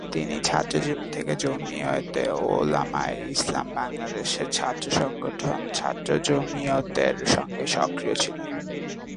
তিনি ছাত্রজীবন থেকে জমিয়তে উলামায়ে ইসলাম বাংলাদেশের ছাত্র সংগঠন ছাত্র জমিয়তের সঙ্গে সক্রিয় ছিলেন।